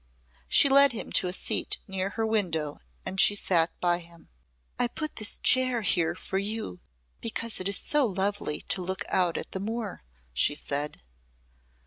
She led him to a seat near her window and she sat by him. "I put this chair here for you because it is so lovely to look out at the moor," she said.